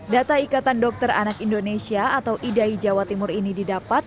data ikatan dokter anak indonesia atau idai jawa timur ini didapat